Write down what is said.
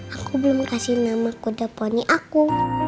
aku belum kasih nama kuda poni aku